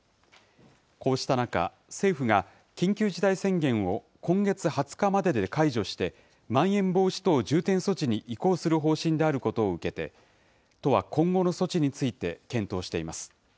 こうした中、政府が緊急事態宣言を今月２０日までで解除して、まん延防止等重点措置に移行する方針であることを受けて、都は今後の措置について検討しています。